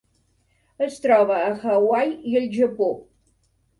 Es troba a Hawaii i el Japó.